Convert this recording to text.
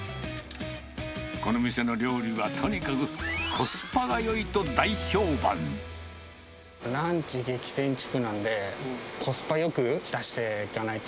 この店の料理はとにかくコスパがランチ激戦地区なので、コスパよく出していかないと。